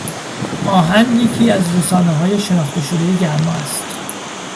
آهن یکی از رساناهای شناخته شدهی گرما است.